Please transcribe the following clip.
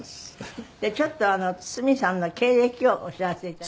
ちょっと堤さんの経歴をお知らせ致します。